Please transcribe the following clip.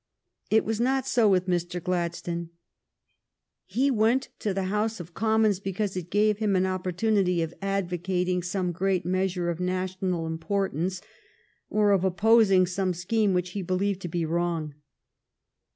It was not so with Mr. Gladstone. He went to the House of Commons because it gave him an opportunity of advocating some great measure of national importance, or of opposing some scheme which he believed to be wrong.